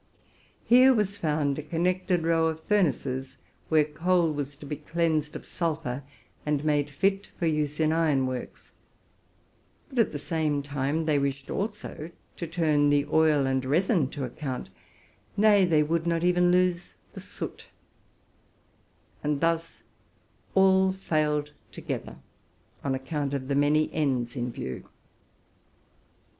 Here was found a connected row of furnaces, where coal was to be cleansed of sulphur, and made fit for use in iron works ; but at the same time they wished also to turn the oil and resin to account, — nay, they would not even lose the soot: and thus all failed together, on account of the many ends in view.